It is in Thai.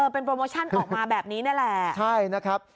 เป็นโปรโมชั่นออกมาแบบนี้นี่แหละใช่นะครับ